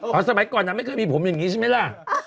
พอสระก่อนไม่เคยมีผมอย่างนี้ใช่ไหมล่ะ